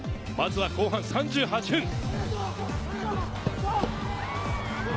まずは後半３８分。